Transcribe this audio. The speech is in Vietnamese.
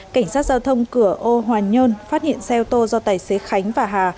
cảnh sát giao thông cửa ô hòa nhơn phát hiện xe ô tô do tài xế khánh và hà